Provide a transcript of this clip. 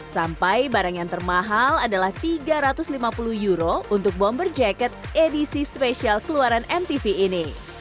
sampai barang yang termahal adalah tiga ratus lima puluh euro untuk bomber jacket edisi spesial keluaran mtv ini